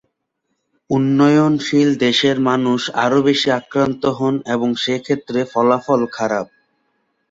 উন্নয়নশীল দেশের মানুষ আরও বেশি আক্রান্ত হন এবং সেক্ষেত্রে ফলাফল খারাপ।